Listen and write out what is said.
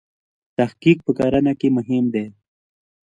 تحقیق په کرنه کې مهم دی.